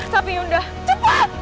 tapi yunda cepat